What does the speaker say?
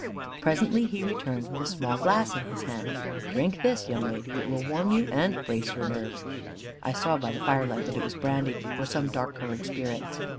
Presently he returned, with a small glass in his hand. "Drink this, young lady. It will warm you, and brace your nerves." I saw by the firelight that it was brandy, or some dark coloured spirit.